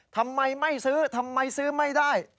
ทำไมไม่ซื้อทำไมซื้อไม่ได้